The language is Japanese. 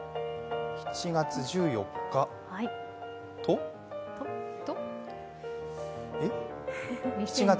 ７月１４日、と？え？